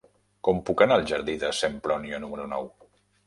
Com puc anar al jardí de Sempronio número nou?